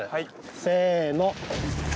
せの。